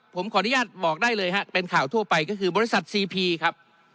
ผมขออนุญาตบอกได้เลยฮะเป็นข่าวทั่วไปก็คือบริษัทซีพีครับ